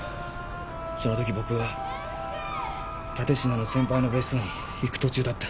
その時僕は蓼科の先輩の別荘に行く途中だった。